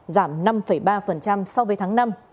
giảm năm ba so với tháng năm